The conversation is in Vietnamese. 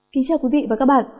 xin chào quý vị và các bạn